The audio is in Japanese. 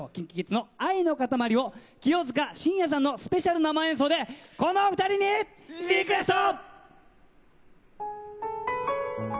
ＫｉｎＫｉＫｉｄｓの愛のかたまりを清塚信也さんのスペシャル生演奏でこのお二人に、リクエスト。